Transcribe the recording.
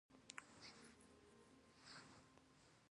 هېواد د خلکو ستر ارزښت دی.